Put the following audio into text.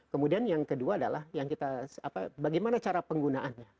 kemudian yang kedua adalah yang kita bagaimana cara penggunaannya